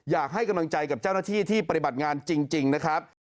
อยากให้กำลังใจกับเจ้าหน้าที่ที่ปฏิบัติงานจริงนะครับ